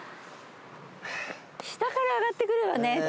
下から上がってくるよね。